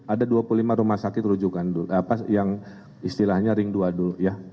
ada dua puluh lima rumah sakit rujukan yang istilahnya ring dua dulu ya